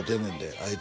あいつ